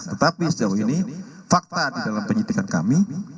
tetapi sejauh ini fakta di dalam penyidikan kami